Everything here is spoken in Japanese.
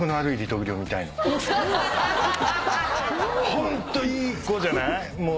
ホントいい子じゃない？